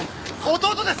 弟です！